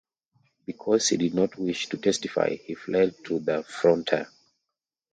Because he did not wish to testify, he fled to the frontier.